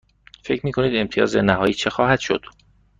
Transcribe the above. فکر می کنید امتیاز نهایی چه خواهد شد؟